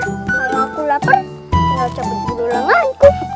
kalau aku lapar tinggal coba tidur langanku